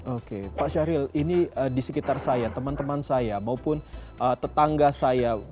oke pak syahril ini di sekitar saya teman teman saya maupun tetangga saya